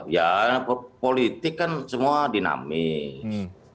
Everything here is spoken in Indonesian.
ya politik kan semua dinamis